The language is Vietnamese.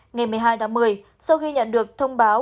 ngày một mươi hai tháng một mươi sau khi nhận được thông báo